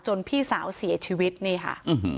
พี่สาวเสียชีวิตนี่ค่ะ